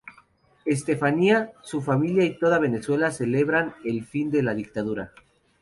Estefanía, su familia y toda Venezuela celebran el fin de la dictadura.